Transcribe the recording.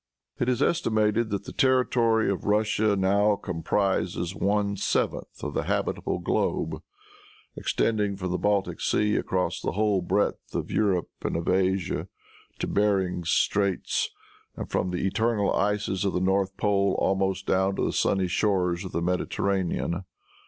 It is estimated that the territory of Russia now comprises one seventh of the habitable globe, extending from the Baltic Sea across the whole breadth of Europe and of Asia to Behring's Straits, and from the eternal ices of the north pole, almost down to the sunny shores of the Mediterranean.